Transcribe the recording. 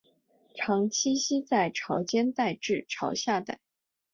常栖息在潮间带至潮下带。